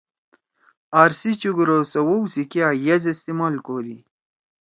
آر سی چُگُورو سوؤ سی کیا یسٹ استعمال کودی۔